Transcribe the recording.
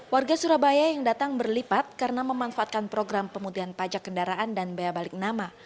warga surabaya yang datang berlipat karena memanfaatkan program pemutihan pajak kendaraan dan bea balik nama